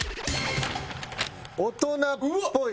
「大人っぽい」。